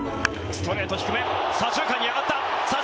ストレート低め左中間に上がった！